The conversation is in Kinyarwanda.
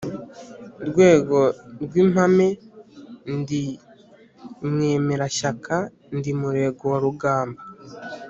Rwego rw’impame ndi mwemerashyaka, ndi Murego wa rugamba,